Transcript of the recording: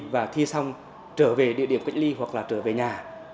và thi xong trở về địa điểm quản lý hoặc là trở về nhà